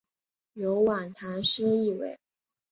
有晚唐诗意味。